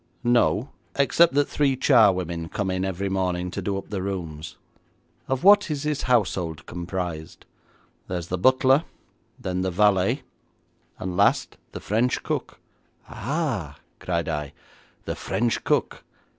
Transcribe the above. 'No, except that three charwomen come in every morning to do up the rooms.' 'Of what is his household comprised?' 'There is the butler, then the valet, and last, the French cook.' 'Ah,' cried I, 'the French cook!